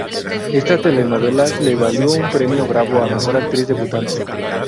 Esta telenovela le valió un Premio Bravo a mejor actriz debutante.